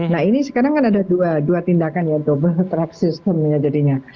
nah ini sekarang kan ada dua tindakan ya double track system ya jadinya